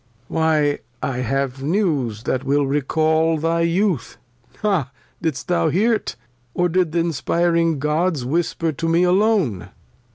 Lear. Why I have News that will recal thy Youth ; Ha ! Didst thou hear't, or did th' inspiring Gods Whisper to me alone